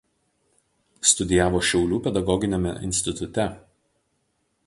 Studijavo Šiaulių pedagoginiame institute.